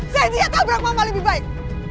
cynthia tabrak mama lebih baik